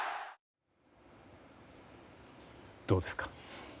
どうですか。